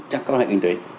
các quan hệ kinh tế